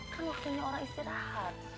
kan waktunya orang istirahat